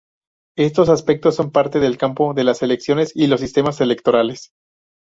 Estos aspectos son parte del campo de las elecciones y los sistemas electorales.